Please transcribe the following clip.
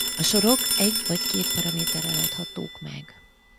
A sorok egy vagy két paraméterrel adhatók meg.